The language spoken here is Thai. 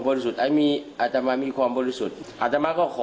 บริสุทธิ์อาจมีอาตามามีความบริสุทธิ์อาตามาก็ขอ